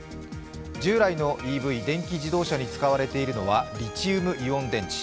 従来のＥＶ＝電気自動車に使われているのはリチウムイオン電池。